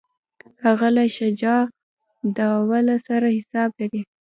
هغه له شجاع الدوله سره حساب لري.